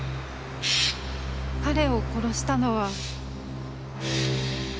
彼を殺したのは。